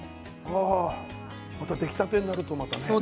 出来たてになると、またね